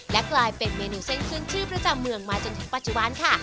และกลายเป็นเมนูเส้นขึ้นชื่อประจำเมืองมาจนถึงปัจจุบันค่ะ